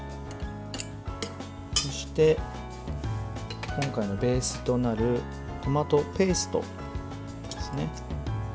そして、今回のベースとなるトマトペーストですね。